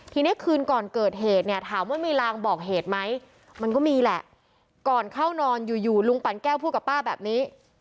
ทีนี้คืนก่อนเกิดเหตุเนี่ยถามว่ามีลางบอกเหตุไหมมันก็มีแหละก่อนเข้านอนอยู่อยู่ลุงปั่นแก้วพูดกับป้าแบบนี้